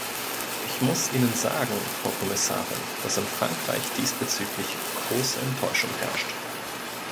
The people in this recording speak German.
Ich muss Ihnen sagen, Frau Kommissarin, dass in Frankreich diesbezüglich große Enttäuschung herrscht.